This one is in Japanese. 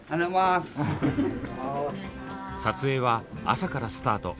撮影は朝からスタート。